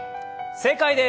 正解です。